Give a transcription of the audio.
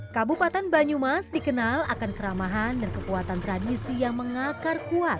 kabupaten banyumas dikenal akan keramahan dan kekuatan tradisi yang mengakar kuat